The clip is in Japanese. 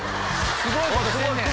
すごいことしてんねん。